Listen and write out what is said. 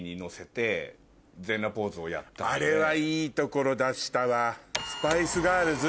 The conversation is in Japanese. あれはいいところ出したわ。